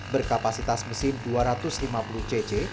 berkapasitas mesin dua ratus lima puluh cc